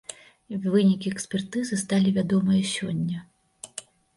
Вынікі экспертызы сталі вядомыя сёння.